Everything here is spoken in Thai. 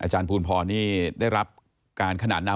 อาจารย์ภูนภอนี่ได้รับการขนาดนั้น